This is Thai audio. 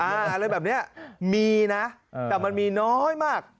อะไรแบบนี้มีนะแต่มันมีน้อยมาก